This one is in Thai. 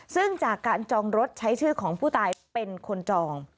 ซึ่งจากการจองรถใช้ชื่อของผู้ตายเป็นคนจอง